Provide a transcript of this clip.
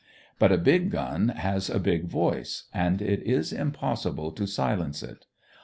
But a big gun has a big voice, and it is impossible to silence it.